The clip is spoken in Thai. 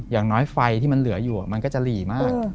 อย่างน้อยไฟที่มันเหลืออยู่มันก็จะหลีมาก